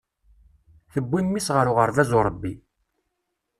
Tewwi mmi-s ɣer uɣerbaz uṛebbi.